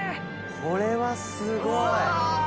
これはすごい。